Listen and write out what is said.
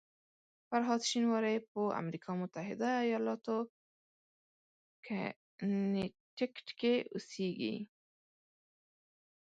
فرهاد شینواری په امریکا متحده ایالاتو کنیټیکټ کې اوسېږي.